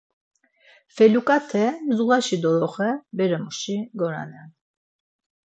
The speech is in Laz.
Feluǩate zuğaşi doloxe beremuşi goranen.